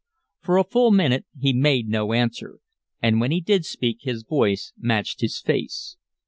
For a full minute he made no answer, and when he did speak his voice matched his face.